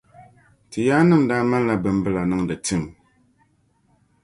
Ti yaanim daa mali bimbilla niŋdi tim.